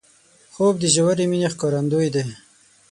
خوب د ژورې مینې ښکارندوی دی